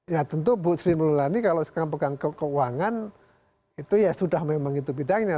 ya tentu bu sri mulyani kalau sekarang pegang keuangan itu ya sudah memang itu bidangnya